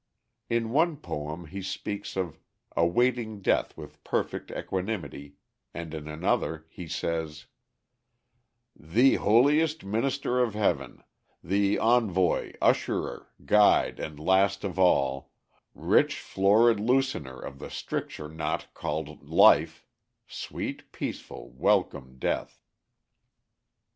In one poem he speaks of "awaiting death with perfect equanimity," and in another says: "Thee, holiest minister of Heaven thee, envoy, usherer, guide at last of all, Rich, florid loosener of the stricture knot call'd life, Sweet, peaceful, welcome Death."